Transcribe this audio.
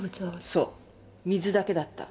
そう水だけだった。